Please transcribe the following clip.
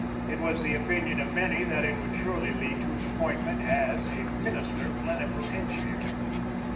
It was the opinion of many that it would surely lead to his appointment as a minister plenipotentiary.